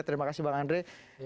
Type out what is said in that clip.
terima kasih bang andri